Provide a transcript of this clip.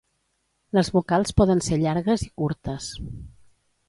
Les vocals poden ser llargues i curtes.